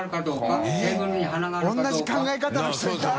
同じ考え方の人いた！